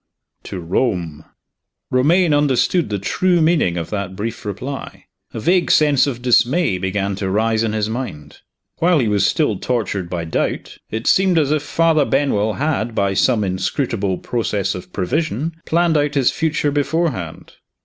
"To Rome." Romayne understood the true meaning of that brief reply. A vague sense of dismay began to rise in his mind. While he was still tortured by doubt, it seemed as if Father Benwell had, by some inscrutable process of prevision, planned out his future beforehand.